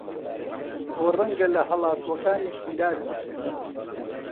تۆ ڕەنگە لە هەڵاتووەکانی شیراز بی